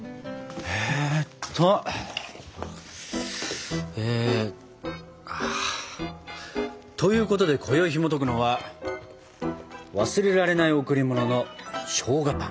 えっと。ということでこよいひもとくのは「わすれられないおくりもの」のしょうがパン。